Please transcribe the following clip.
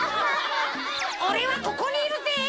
おれはここにいるぜ！